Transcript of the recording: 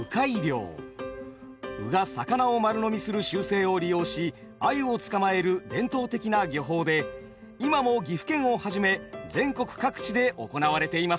鵜が魚を丸飲みする習性を利用し鮎を捕まえる伝統的な漁法で今も岐阜県をはじめ全国各地で行われています。